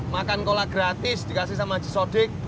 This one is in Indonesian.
makan cola gratis dikasih sama haji sodik